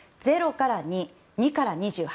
０から２、２から２８。